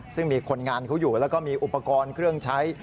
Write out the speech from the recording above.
ซึ่งมีคนงานเขาอยู่แล้วก็มีอุปกรณ์เครื่องใช้